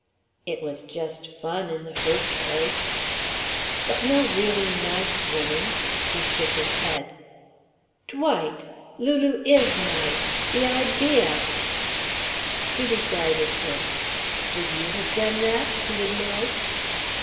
"It was just fun, in the first place." "But no really nice woman " he shook his head. "Dwight! Lulu is nice. The idea!" He regarded her. "Would you have done that?" he would know.